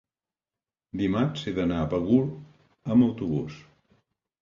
dimarts he d'anar a Begur amb autobús.